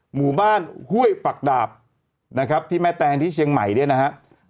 หมู่บ้านห้วยปักดาบนะครับที่แม่แตงที่เชียงใหม่เนี่ยนะฮะ